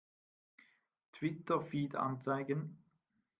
Twitter-Feed anzeigen!